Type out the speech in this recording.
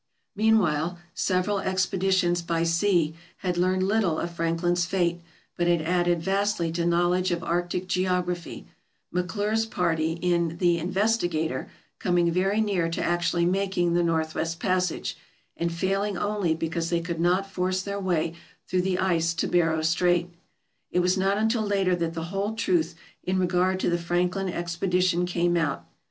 Meanwhile several expeditions by sea had learned little of Franklin's fate but had added vastly to knowledge of arctic geography, McClure's party, in the " Investigator," coming very near to actually making the northwest passage, and failing only because they could not force their way through the ice to Barrow Strait. It was not until later that the whole truth in regard to the Franklin expedition came out.